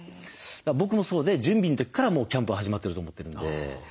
僕もそうで準備の時からもうキャンプは始まってると思ってるんで。